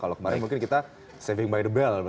kalau kemarin mungkin kita saving by the bell